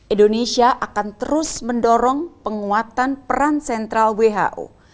indonesia akan terus mendorong penguatan peran sentral who